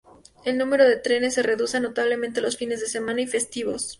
El número de trenes se reduce notablemente los fines de semana y festivos.